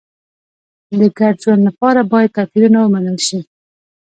د ګډ ژوند لپاره باید توپیرونه ومنل شي.